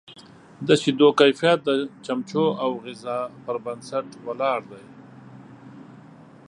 د شیدو کیفیت د چمچو او غذا پر بنسټ ولاړ دی.